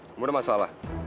kamu ada masalah